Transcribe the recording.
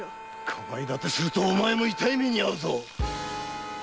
庇いだてするとお前も痛い目に遭うぞ！